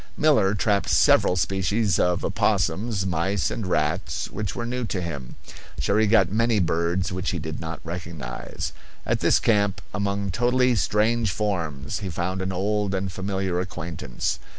Miller trapped several species of opossums, mice and rats which were new to him. Cherrie got many birds which he did not recognize. At this camp, among totally strange forms, he found an old and familiar acquaintance.